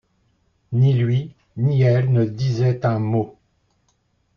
Ni lui, ni elle ne disaient un mot.